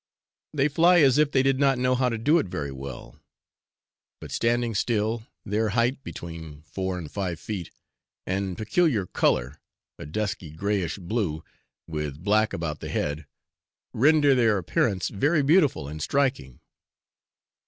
They fly as if they did not know how to do it very well; but standing still, their height (between four and five feet) and peculiar colour, a dusky, greyish blue, with black about the head, render their appearance very beautiful and striking.